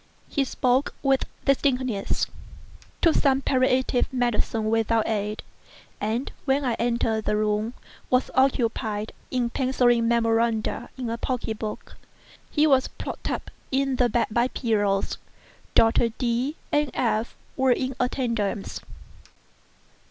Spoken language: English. He spoke with distinctness—took some palliative medicines without aid—and, when I entered the room, was occupied in penciling memoranda in a pocket book. He was propped up in the bed by pillows. Doctors D—— and F—— were in attendance.